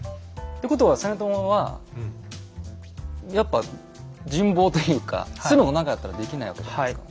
ってことは実朝はやっぱ人望というかそういうのがなかったらできないわけじゃないですか。